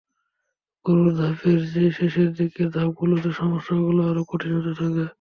শুরুর ধাপের চেয়ে শেষের দিকের ধাপগুলোতে সমস্যাগুলো আরও কঠিন হতে থাকে।